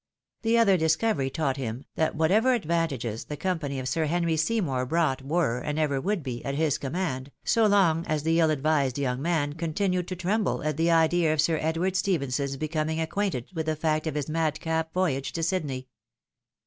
The other discovery taught him, that whatever advantages the company of Sir Henry Seymour brought were, and ever would be, at his command, so long as the iU advised young man continued to tremble at the idea of Sir Edward Stephenson's becoming acquainted with the fact of his mad cap voyage to Sydney.